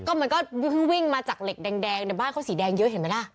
ก็มันก็วิ่งมาจากเหล็กแดงในบ้านเขาสีแดงเยอะเห็นไหมล่ะ